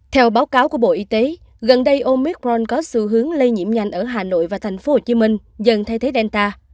theo báo cáo của bộ y tế gần đây omicron có sự hướng lây nhiễm nhanh ở hà nội và thành phố hồ chí minh dần thay thế delta